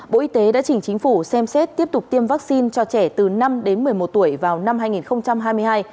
bộ y tế đã chỉnh chính phủ xem xét tiếp tục tiêm vaccine cho trẻ từ năm đến một mươi một tuổi vào năm hai nghìn hai mươi hai